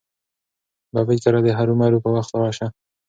ببۍ کره دې هرو مرو په وخت لاړه شه.